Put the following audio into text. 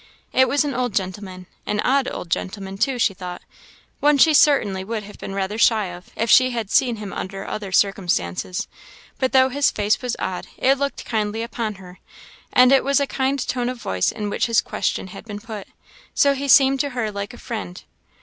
It was an old gentleman an odd old gentleman, too, she thought one she certainly would have been rather shy of, if she had seen him under other circumstances. But though his face was odd, it looked kindly upon her, and it was a kind tone of voice in which his question had been put; so he seemed to her like a friend.